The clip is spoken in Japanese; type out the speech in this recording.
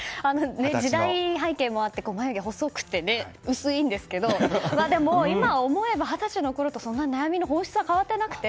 時代背景もあって眉毛、細くて薄いんですけど今思えば二十歳のころと悩みの本質は変わってなくて。